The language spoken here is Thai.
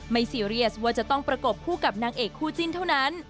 ซีเรียสว่าจะต้องประกบคู่กับนางเอกคู่จิ้นเท่านั้น